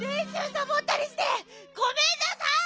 さぼったりしてごめんなさい！